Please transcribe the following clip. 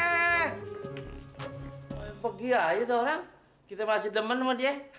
eh pergi aja tuh orang kita masih demen sama dia